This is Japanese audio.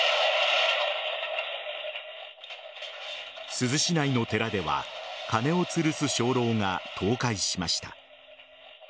珠洲市内の寺では鐘をつるす鐘楼が倒壊しました。